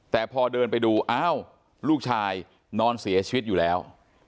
แต่พอเดินไปดูอ้าวลูกชายนอนเสียชีวิตอยู่แล้ว